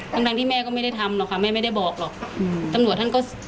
ทั้งทั้งที่แม่ก็ไม่ได้ทำหรอกค่ะแม่ไม่ได้บอกหรอกอืมตำรวจท่านก็